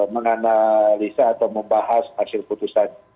menganalisa atau membahas hasil putusan